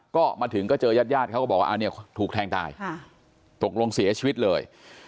ก็มาถึงก็เจอยาดเขาก็บอกว่าเนี่ยถูกแทงตายตกลงเสียชีวิตเลย